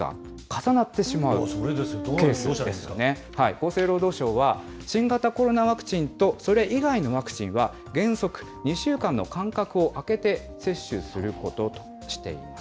厚生労働省は、新型コロナワクチンとそれ以外のワクチンは、原則、２週間の間隔を空けて、接種することとしています。